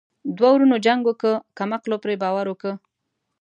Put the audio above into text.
ـ دوه ورونو جنګ وکړو کم عقلو پري باور وکړو.